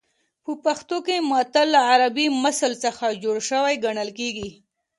په پښتو کې متل له عربي مثل څخه جوړ شوی ګڼل کېږي